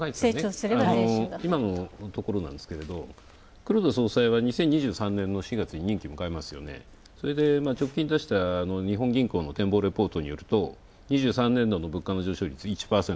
今のところですが、黒田総裁は２０２３年の４月に任期をむかえ、それで直近に日本銀行の展望レポートによると２３年度の物価上昇率、１％。